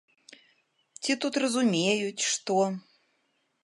Ці тут разумеюць што?